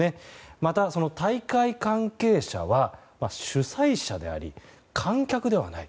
また、大会関係者は主催者であり観客ではない。